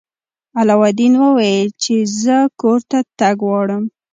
علاوالدین وویل چې زه کور ته تګ غواړم.